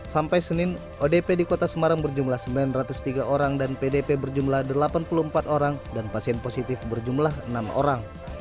sampai senin odp di kota semarang berjumlah sembilan ratus tiga orang dan pdp berjumlah delapan puluh empat orang dan pasien positif berjumlah enam orang